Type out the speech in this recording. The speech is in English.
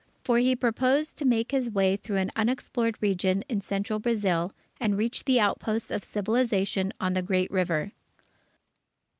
For he proposed to make his way through an unexplored region in Central Brazil, and reach the outposts of civilization on the Great River.